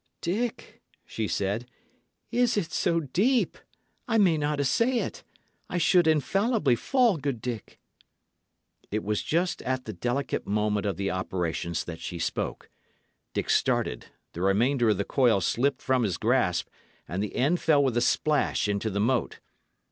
"Dick," she said, "is it so deep? I may not essay it. I should infallibly fall, good Dick." It was just at the delicate moment of the operations that she spoke. Dick started; the remainder of the coil slipped from his grasp, and the end fell with a splash into the moat.